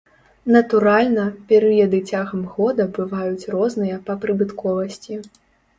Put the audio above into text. Натуральна, перыяды цягам года бываюць розныя па прыбытковасці.